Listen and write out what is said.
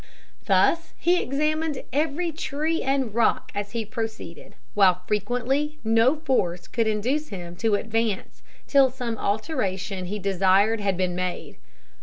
Thus he examined every tree and rock as he proceeded, while frequently no force could induce him to advance till some alteration he desired had been made.